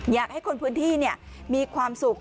อยากให้คนพื้นที่มีความสุข